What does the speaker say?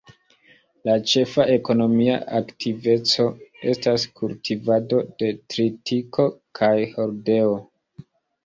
La ĉefa ekonomia aktiveco estas kultivado de tritiko kaj hordeo.